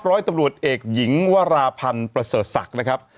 ร้อยตำรวจเอกหญิงวราพันธ์ประเสริฐศักดิ์นะครับ